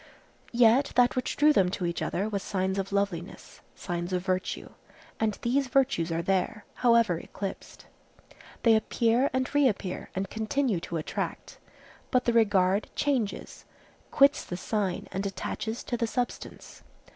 Yet that which drew them to each other was signs of loveliness, signs of virtue; and these virtues are there, however eclipsed. They appear and reappear and continue to attract; but the regard changes, quits the sign and attaches to the substance.